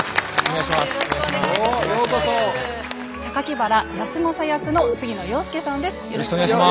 原康政役の杉野遥亮さんです。